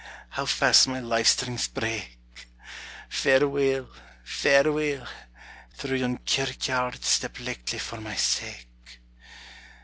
How fast my life strings break! Fareweel! fareweel! through yon kirk yard Step lichtly for my sake!